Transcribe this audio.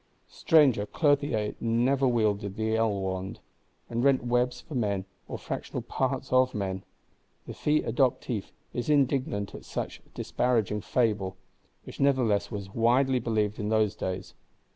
Stranger Clothier never wielded the ell wand, and rent webs for men, or fractional parts of men. The Fils Adoptif is indignant at such disparaging fable,—which nevertheless was widely believed in those days.